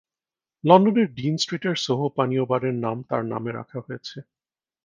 লন্ডনের ডিন স্ট্রিটের সোহো পানীয় বারের নাম তার নামে রাখা হয়েছে।